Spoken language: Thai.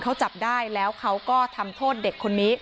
เขาจับได้แล้วเขาก็ทำโทษเด็กคนนี้